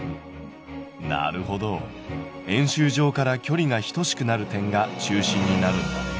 なるほど円周上から距離が等しくなる点が中心になるんだね。